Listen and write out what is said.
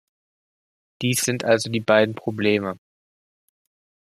Dies sind also die beiden Probleme.